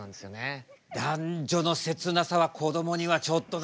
男女の切なさはこどもにはちょっとな。